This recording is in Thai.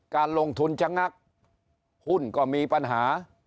การลงทุนจะงักหุ้นก็มีปัญหา